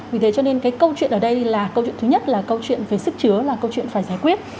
vì thế cho nên cái câu chuyện ở đây là câu chuyện thứ nhất là câu chuyện về sức chứa là câu chuyện phải giải quyết